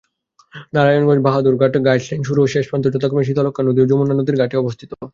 নারায়ণগঞ্জ-বাহাদুরাবাদ ঘাট লাইন শুরু ও শেষ প্রান্ত যথাক্রমে শীতলক্ষ্যা নদী ও যমুনা নদীর ঘাটে অবস্থিত।